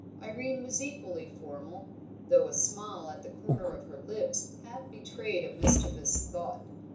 Irene was equally formal, though a smile at the corner of her lips half betrayed a mischievous thought.